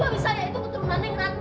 suami saya itu betul betul naneng naneng